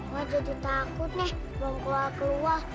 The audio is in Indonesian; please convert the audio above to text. wah jadi takut nih belum keluar keluar